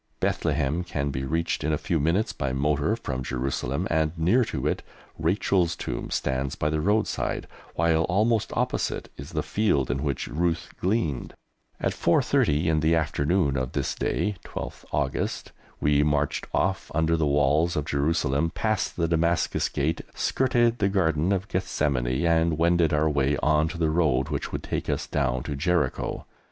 Bethlehem can be reached in a few minutes by motor from Jerusalem, and near to it Rachel's tomb stands by the roadside, while almost opposite is the field in which Ruth gleaned. At 4.30 in the afternoon of this day (12th August) we marched off under the walls of Jerusalem, past the Damascus Gate, skirted the Garden of Gethsemane, and wended our way on to the road which would take us down to Jericho.